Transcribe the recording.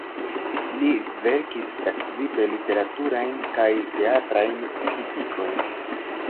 Li verkis precipe literaturajn kaj teatrajn kritikojn.